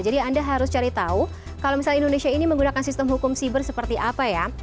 jadi anda harus cari tahu kalau misal indonesia ini menggunakan sistem hukum cyber seperti apa ya